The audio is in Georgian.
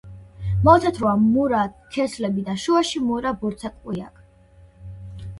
მოთეთროა, მურა ქერცლები და შუაში მურა ბორცვაკი აქვს.